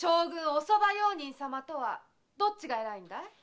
お側用人様とはどっちが偉いんだい？